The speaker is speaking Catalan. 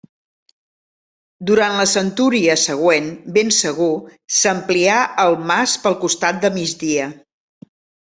Durant la centúria següent, ben segur, s'amplià el mas pel costat de migdia.